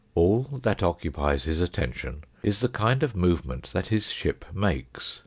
All that occupies his attention is the kind of movement that his ship makes.